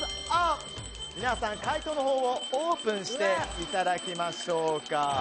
皆さん、解答のほうオープンしていただきましょうか。